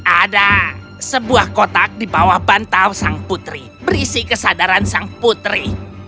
ada sebuah kotak di bawah bantau sang putri berisi kesadaran sang putri